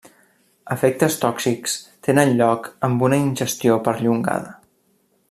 Efectes tòxics tenen lloc amb una ingestió perllongada.